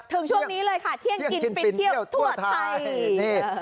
ช่วงนี้เลยค่ะเที่ยงกินฟินเที่ยวทั่วไทย